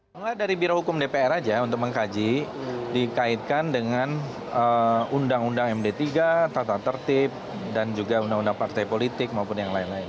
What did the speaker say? mulai dari birohukum dpr saja untuk mengkaji dikaitkan dengan undang undang md tiga tata tertib dan juga undang undang partai politik maupun yang lain lain